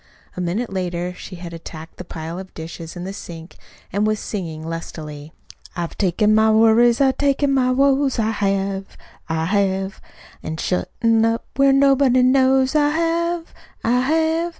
A minute later she had attacked the pile of dishes in the sink, and was singing lustily: "I've taken my worries, an' taken my woes, I have, I have, An' shut 'em up where nobody knows, I have, I have.